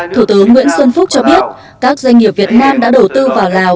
thủ tướng nguyễn xuân phúc cho biết các doanh nghiệp việt nam đã đầu tư vào lào